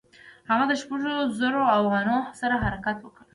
هغه د شپږو زرو اوغانانو سره حرکت وکړ.